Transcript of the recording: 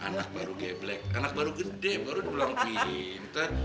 anak baru geblek anak baru gede baru di bilang pinter